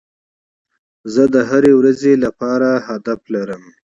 زه د هري ورځي لپاره هدف لرم.